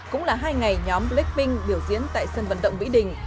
cũng là hai ngày nhóm blackpink biểu diễn tại sân vận động mỹ đình